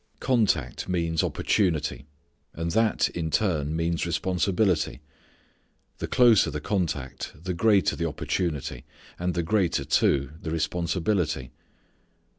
Contact means opportunity, and that in turn means responsibility. The closer the contact the greater the opportunity and the greater too the responsibility.